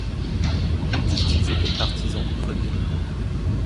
On dit qu'ils étaient partisans du premier.